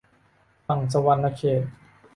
ฝั่งสะหวันนะเขต